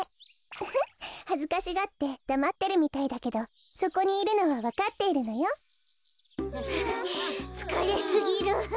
ウフッはずかしがってだまってるみたいだけどそこにいるのはわかっているのよ。はあつかれすぎる。